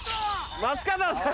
松方さん！